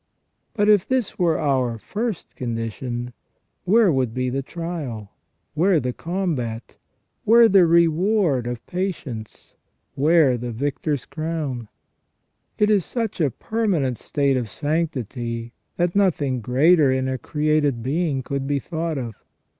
But if this were our first condition, where would be the trial ? Where the combat ? Where the reward of patience ? Where the victor's crown ? It is such a permanent state of sanctity, that nothing greater in a created being could be thought of.